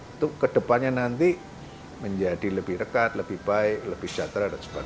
itu kedepannya nanti menjadi lebih rekat lebih baik lebih sejahtera dan sebagainya